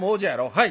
「はい。